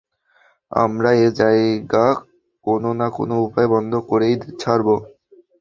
আমরা এ জায়গা কোনো না কোনো উপায়ে বন্ধ করেই ছাড়ব।